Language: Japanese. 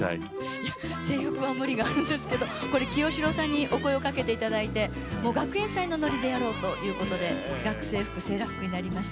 いや、制服は無理があるんですけど清志郎さんにお声をかけていただいて学園祭の乗りでやろうということで学生服セーラー服になりました。